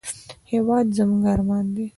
هېواد زموږ ارمان دی